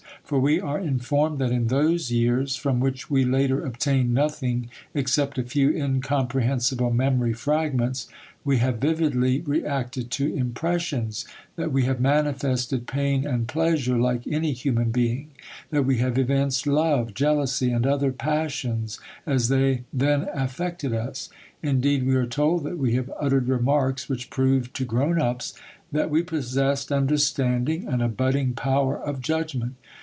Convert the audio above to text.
For we are informed that in those years from which we later obtain nothing except a few incomprehensible memory fragments, we have vividly reacted to impressions, that we have manifested pain and pleasure like any human being, that we have evinced love, jealousy, and other passions as they then affected us; indeed we are told that we have uttered remarks which proved to grown ups that we possessed understanding and a budding power of judgment.